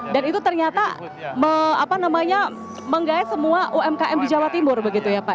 dan itu ternyata menggait semua umkm di jawa timur begitu ya pak